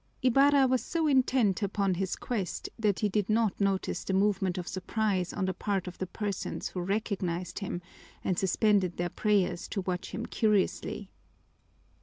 Ibarra was so intent upon his quest that he did not notice the movement of surprise on the part of the persons who recognized him and suspended their prayers to watch him curiously.